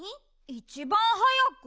いちばんはやく？